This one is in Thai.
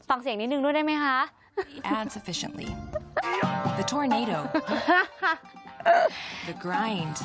ฟังเสียงนิดนึงด้วยได้ไหมคะ